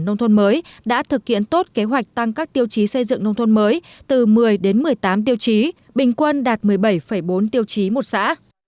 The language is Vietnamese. nông thôn mới đã thực hiện tốt kế hoạch tăng các tiêu chí xây dựng nông thôn mới từ một mươi đến một mươi tám tiêu chí bình quân đạt một mươi bảy bốn tiêu chí một xã